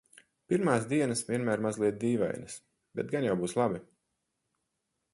Pirmās dienas vienmēr mazliet dīvainas, bet gan jau būs labi.